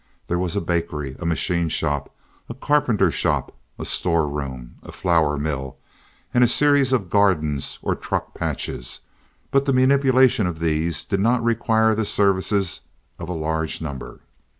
There was a bakery, a machine shop, a carpenter shop, a store room, a flour mill, and a series of gardens, or truck patches; but the manipulation of these did not require the services of a large number.